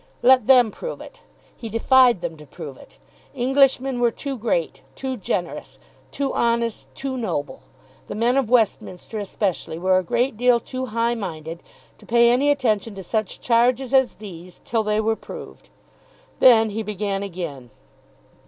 Let them prove it. He defied them to prove it. Englishmen were too great, too generous, too honest, too noble, the men of Westminster especially were a great deal too high minded to pay any attention to such charges as these till they were proved. Then he began again.